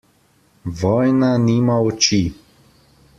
Vojna nima oči.